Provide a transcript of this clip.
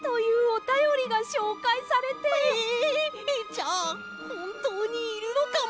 じゃあほんとうにいるのかも！